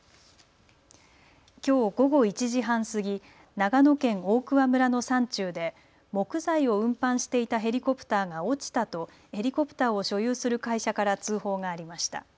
きょう午後１時半過ぎ、長野県大桑村の山中で木材を運搬していたヘリコプターが落ちたとヘリコプターを所有する会社から通報がありました。